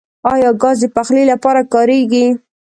آیا ګاز د پخلي لپاره کاریږي؟